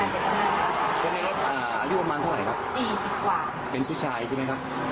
อ่าจุดประมาณเท่าไรครับสี่สิบกว่าเป็นผู้ชายใช่ไหมครับ